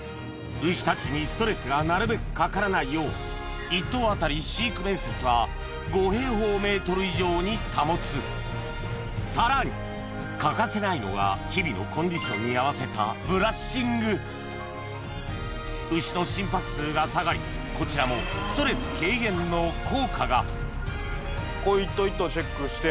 牛たちにストレスがなるべくかからないよう１頭当たり飼育面積は５平方メートル以上に保つさらに欠かせないのが日々のコンディションに合わせたブラッシング牛の心拍数が下がりこちらもストレス軽減の効果が一頭一頭チェックして。